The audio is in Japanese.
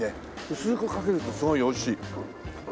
薄くかけるとすごいおいしい。